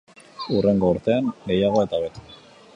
Hurrengo urtean gehiago eta hobeto.